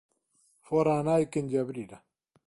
Fora a nai quen lle abrira.